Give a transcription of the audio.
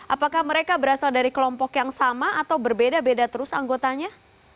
apakah mereka berasal dari kelompok yang sama atau berbeda beda terus anggotanya